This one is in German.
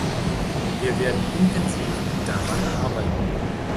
Wir werden intensiv daran arbeiten.